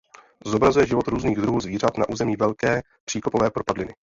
Zobrazuje život různých druhů zvířat na území Velké příkopové propadliny.